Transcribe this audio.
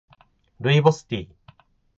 ルイボスティー